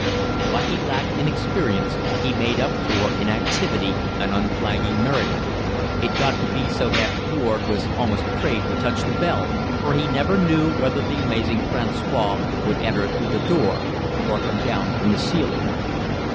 What he lacked in experience he made up for in activity and unflagging merriment. It got to be so that Warde was almost afraid to touch the bell, for he never knew whether the amazing François would enter through the door or come down from the ceiling.